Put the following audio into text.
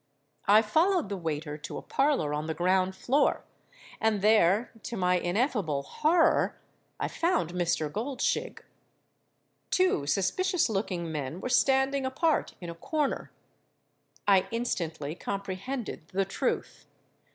I followed the waiter to a parlour on the ground floor; and there—to my ineffable horror—I found Mr. Goldshig. Two suspicious looking men were standing apart in a corner. I instantly comprehended the truth.